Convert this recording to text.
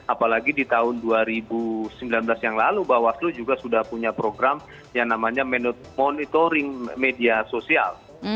apalagi di tahun dua ribu sembilan belas yang lalu bawaslu juga sudah punya program yang namanya monitoring media sosial